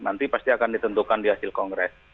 nanti pasti akan ditentukan di hasil kongres